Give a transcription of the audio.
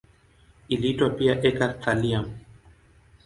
Iliitwa pia eka-thallium.